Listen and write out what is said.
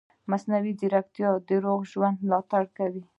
مصنوعي ځیرکتیا د روغ ژوند ملاتړ کوي.